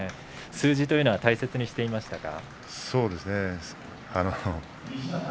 数字というのは大切にしていましたか。